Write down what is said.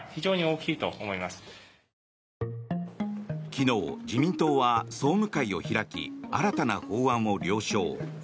昨日、自民党は総務会を開き新たな法案を了承。